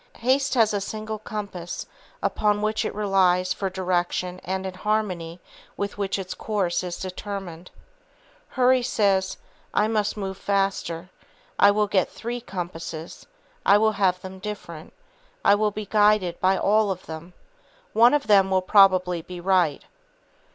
Haste has a single compass upon which it relies for direction and in harmony with which its course is determined. Hurry says: "I must move faster. I will get three compasses; I will have them different; I will be guided by all of them. One of them will probably be right."